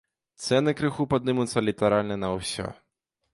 Цэны крыху падымуцца літаральна на ўсё.